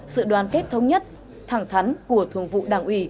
sự đoàn kết thống nhất thẳng thắn của thường vụ đảng ủy